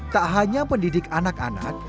tak hanya pendidik anak anak